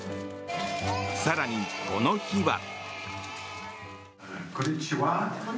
更に、この日は。